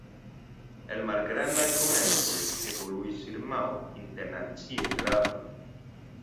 El malgrandaj komencoj evoluis firmao internacie grava.